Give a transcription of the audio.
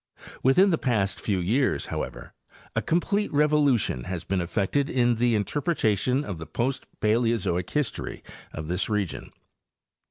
Within the past few years, however, a complete revolution has been effected in the interpretation of the post Paleozoic history of this region.